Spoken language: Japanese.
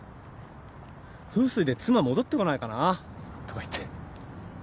風水で妻戻ってこないかなとか言って。